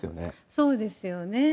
そうですよね。